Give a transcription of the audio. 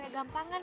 hasil main nya